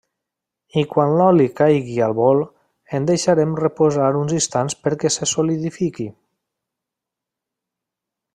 I quan l'oli caigui al bol, el deixarem reposar uns instants perquè se solidifiqui.